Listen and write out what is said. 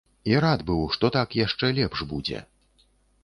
І рад быў, што так яшчэ лепш будзе.